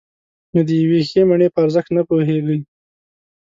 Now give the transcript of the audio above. نو د یوې ښې مڼې په ارزښت نه پوهېږئ.